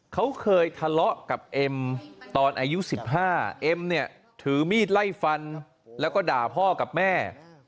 เขาเคยทะเลาะกับเอ็มตอนอายุ๑๕เอ็มเนี่ยถือมีดไล่ฟันแล้วก็ด่าพ่อกับแม่